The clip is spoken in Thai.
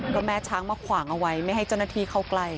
ก็แม่ช้างเล่าจังไม่ให้เจ้าหน้าที่เข้ากล้าย